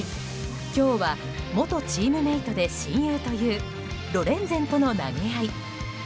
今日は元チームメートで親友というロレンゼンとの投げ合い。